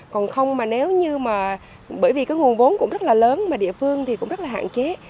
còn không mà nếu như mà bởi vì cái nguồn vốn cũng rất là lớn mà địa phương thì cũng rất là hạn chế